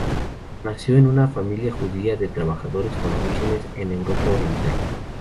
Nació en una familia judía de trabajadores con orígenes en Europa Oriental.